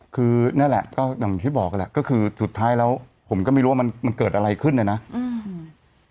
คือนั่นแหละก็อย่างที่บอกแหละก็คือสุดท้ายแล้วผมก็ไม่รู้ว่ามันมันเกิดอะไรขึ้นเนี่ยนะอืม